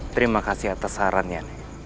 terimakasih atas sarannya